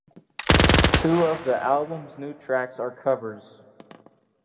Two of the album's new tracks are covers.